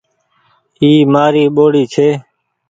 اي مآري ٻوڙي ڇي